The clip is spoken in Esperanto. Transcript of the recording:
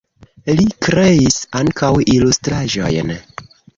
Li kreis ankaŭ ilustraĵojn.